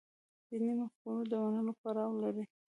دیني مفکورو د منلو پروا لري.